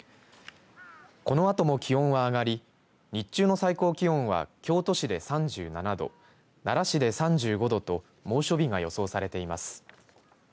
このあとも気温は上がり日中の最高気温は京都市で３７度奈良市で３５度と猛暑日が予想されています。